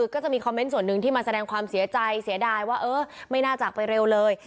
ก็จะมีส่วนมาส่งความเสียใจสิว่าไม่น่าจากไปเร็วเลย